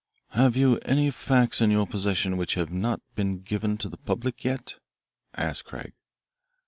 "Have you any facts in your possession which have not been given to the public yet?" asked Craig.